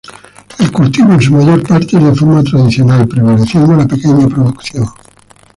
El cultivo en su mayor parte es de forma tradicional, prevaleciendo la pequeña producción.